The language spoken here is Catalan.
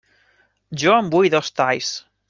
Jo en vull dos talls.